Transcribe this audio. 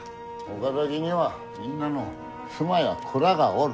岡崎にはみんなの妻や子らがおる。